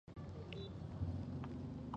چې د اتل له کړه وړه ،خوي خصلت، عمر،